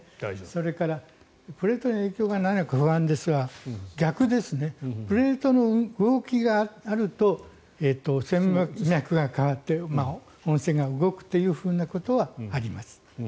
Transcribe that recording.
それから、これと影響がないのか不安ですがプレートの動きがあると泉脈が変わって温泉が動くということはあります。